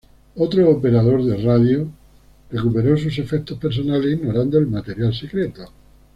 Otro operador de radio recuperó sus efectos personales ignorando el material secreto.